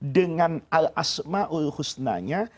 dengan al asma'ul husnanya